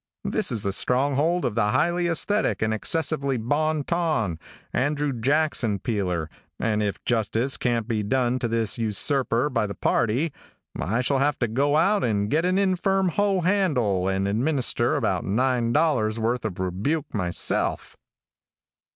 This is the stronghold of the highly aesthetic and excessively bon ton, Andrew Jackson peeler, and if justice cannot be done to this usurper by the party, I shall have to go out and get an infirm hoe handle and administer about $9 worth of rebuke myself."